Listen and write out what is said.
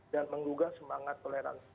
dan menggugah semangat toleransi